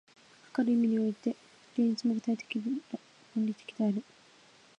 かかる意味において、芸術も具体的論理的である。